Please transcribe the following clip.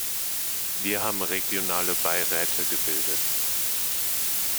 Wir haben regionale Beiräte gebildet.